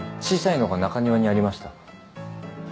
小さいのが中庭にありました。